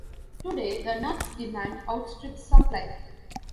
Today, the nut's demand outstrips supply.